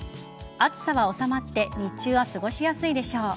暑さは収まって日中は過ごしやすいでしょう。